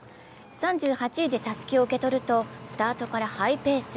３８位でたすきを受け取るとスタ−トからハイペース。